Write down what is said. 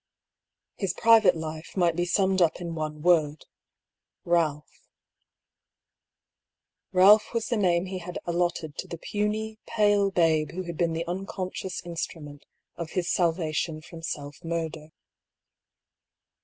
His priyate life might be summed up in one word — Ralph. Balph was the name he had allotted to the puny pale babe who had been the unconscious instrument of his salvation from self murder.